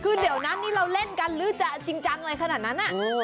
คือเดี๋ยวนั้นนี่เราเล่นกันหรือจะจริงจังอะไรขนาดนั้น